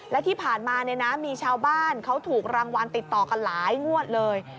และที่ผ่านมามีชาวบ้านเขาถูกรางวัลติดต่อกันหลายงวดเลย